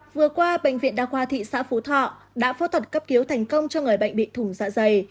vừa qua bệnh viện đa khoa thị xã phú thọ đã phẫu thuật cấp cứu thành công cho người bệnh bị thủng dạ dày